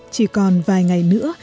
chỉ còn vài ngày nữa